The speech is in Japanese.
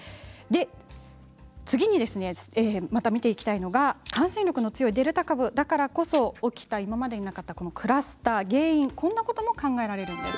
次に見ていきたいのが感染力の強いデルタ株だからこそ起きた今までになかったクラスターの原因こんなことも考えられるんです。